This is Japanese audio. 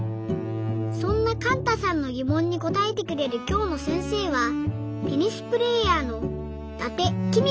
そんなかんたさんのぎもんにこたえてくれるきょうのせんせいはテニスプレーヤーの伊達公子さん。